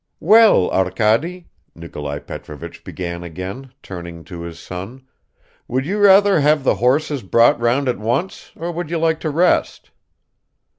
"Well, Arkady," Nikolai Petrovich began again, turning to his son, "would you rather have the horses brought round at once or would you like to rest?"